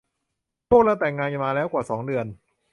พวกเราแต่งงานกันมาแล้วกว่าสองเดือน